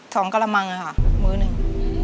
สองกระลำงค่ะมื้อนึง